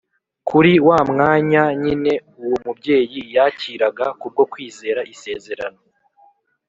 . Kuri wa mwanya nyine uwo mubyeyi yakiraga kubwo kwizera isezerano